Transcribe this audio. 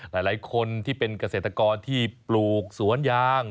หลายคนที่เป็นเกษตรกรที่ปลูกสวนยาง